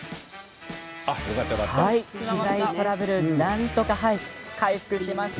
機材トラブルなんとか回復しました。